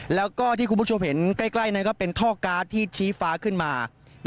แล้วก็ที่คุณผู้ชมเห็นใกล้นั้นก็เป็นท่อการ์ดที่ชี้ฟ้าขึ้นมา